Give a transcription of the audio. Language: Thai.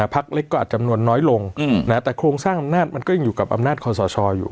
พักเล็กก็อาจจำนวนน้อยลงแต่โครงสร้างอำนาจมันก็ยังอยู่กับอำนาจคอสชอยู่